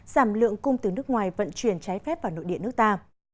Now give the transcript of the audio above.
giảm lượng cung từ nước ngoài vận chuyển trái phép vào nội địa nước ta